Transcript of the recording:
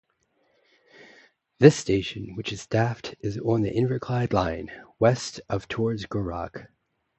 This station, which is staffed, is on the Inverclyde Line, west of towards Gourock.